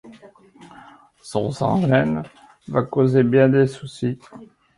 Son sans-gêne va causer bien des soucis.